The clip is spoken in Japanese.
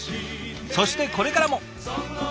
そしてこれからも。